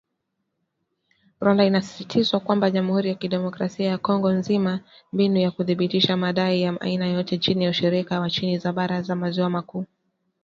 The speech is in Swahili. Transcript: Rwanda inasisitizwa kwamba jamuhuri ya kidemokrasia ya Kongo nzina mbinu za kuthibitisha madai ya aina yoyote chini ya ushirika wa nchi za bara za maziwa makuu